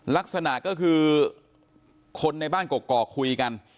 ลักษณะก็คือคนในบ้านกกอกคุยกัน